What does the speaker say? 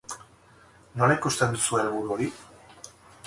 Nola ikusten duzue helburu hori?